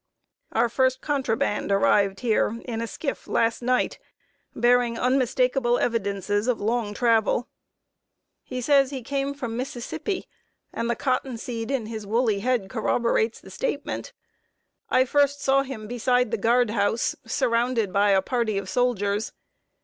"] Our first contraband arrived here in a skiff last night, bearing unmistakable evidences of long travel. He says he came from Mississippi, and the cotton seed in his woolly head corroborates the statement. I first saw him beside the guard house, surrounded by a party of soldiers.